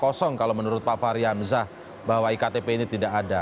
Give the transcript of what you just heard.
kosong kalau menurut pak fahri hamzah bahwa iktp ini tidak ada